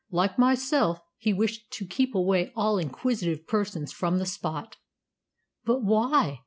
"Like myself, he wished to keep away all inquisitive persons from the spot." "But why?"